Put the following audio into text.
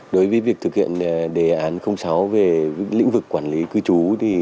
đối với việc thực hiện đề án sáu về lĩnh vực quản lý cư trú